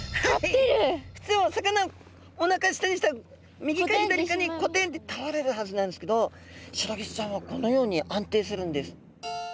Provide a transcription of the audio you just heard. ふつうお魚おなか下にしたら右か左かにこてんってたおれるはずなんですけどシロギスちゃんはこのように安定するんです。